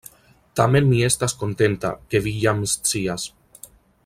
Tamen mi estas kontenta, ke vi jam scias.